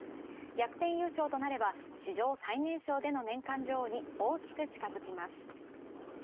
逆転優勝となれは史上最年少での年間女王に大きく近付きます。